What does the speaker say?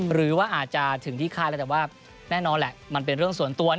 หรือว่าอาจจะถึงที่ค่ายแล้วแต่ว่าแน่นอนแหละมันเป็นเรื่องส่วนตัว